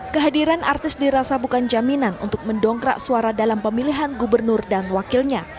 kehadiran artis dirasa bukan jaminan untuk mendongkrak suara dalam pemilihan gubernur dan wakilnya